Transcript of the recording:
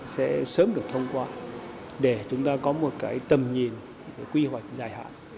sẽ sớm được thông qua để chúng ta có một cái tầm nhìn quy hoạch dài hạn